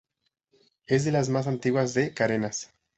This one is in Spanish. Es de las más antiguas de Carenas.